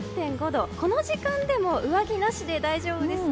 この時間でも上着なしで大丈夫。